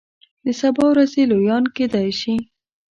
د سبا ورځې لویان کیدای شي.